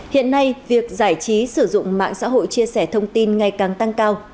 hiện nay việc giải trí sử dụng mạng xã hội chia sẻ thông tin ngày càng tăng cao